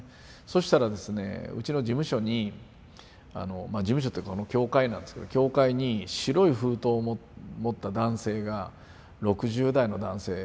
そしたらですねうちの事務所に事務所というか教会なんですけど教会に白い封筒を持った男性が６０代の男性